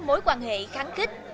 mối quan hệ kháng kích